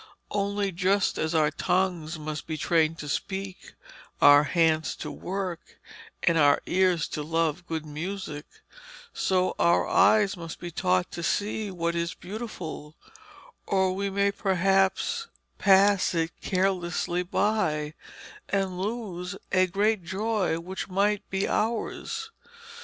Only, just as our tongues must be trained to speak, our hands to work, and our ears to love good music, so our eyes must be taught to see what is beautiful, or we may perhaps pass it carelessly by, and lose a great joy which might be ours.